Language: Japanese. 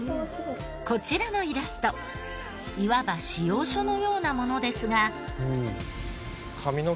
こちらのイラストいわば仕様書のようなものですが。